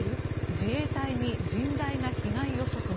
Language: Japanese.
自衛隊に甚大な被害予測も。